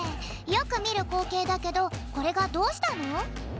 よくみるこうけいだけどこれがどうしたの？